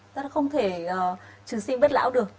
chúng ta không thể trừ sinh bất lão được